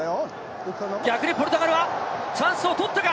逆にポルトガルはチャンスを取ったか？